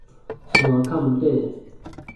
山崁底